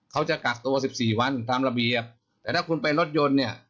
เขาจะกักตัวสิบสี่วันตามระเบียบแต่ถ้าคุณไปรถยนต์เนี่ย